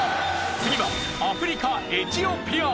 次はアフリカ・エチオピア。